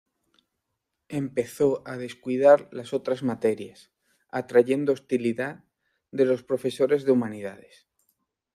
Empezó a descuidar las otras materias, atrayendo hostilidad de los profesores de humanidades.